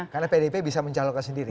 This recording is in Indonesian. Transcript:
karena pdip bisa mencalonkan sendiri